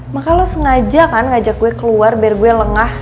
maka lo sengaja kan ngajak gue keluar biar gue lengah